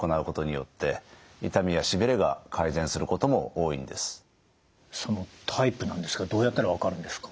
そしてそのタイプなんですけどどうやったら分かるんですか？